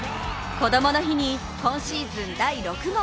こどもの日に今シーズン第６号。